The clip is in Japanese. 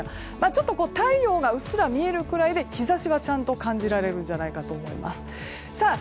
ちょっと太陽がうっすら見えるぐらいで日差しはちゃんと感じられると思います。